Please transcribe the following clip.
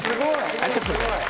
ありがとうございます。